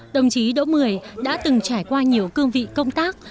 đồng chí đỗ mười đã từng trải qua nhiều cương vị công tác